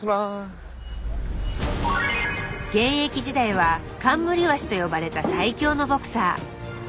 現役時代は「カンムリワシ」と呼ばれた最強のボクサー。